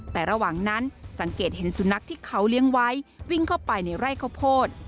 แต่ระหว่างนั้นสังเกตเห็นสุนัขที่เขาเลี้ยงไว้วิ่งเข้าไปในไร่ข้าวโพด